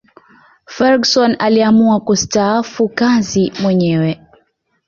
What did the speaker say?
ferguson aliamua kusitaafu kazi mwenyewe